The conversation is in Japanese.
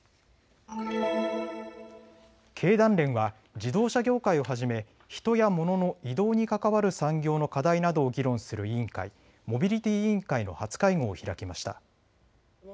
経団連は自動車業界をはじめ人やモノの移動に関わる産業の課題などを議論する委員会、モビリティ委員会の初会合を開きました。